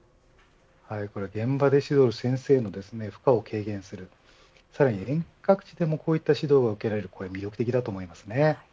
これ現場で指導する先生の負荷を軽減するさらに、遠隔地でもこういった指導が受けられるこれは魅力的だと思いますね。